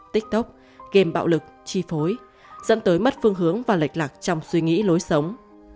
tiktok game bạo lực chi phối dẫn tới mất phương hướng và lệch lạc trong suy nghĩ lối sống